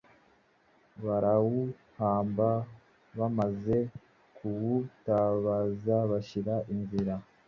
barawuhamba. Bamaze kuwutabaza bashyira nzira,